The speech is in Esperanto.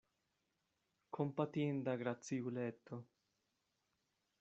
Kompatinda graciuleto!